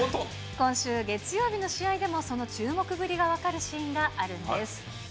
今週月曜日の試合でも、その注目ぶりが分かるシーンがあるんです。